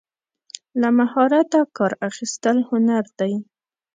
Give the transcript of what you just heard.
له مهارته کار اخیستل هنر دی.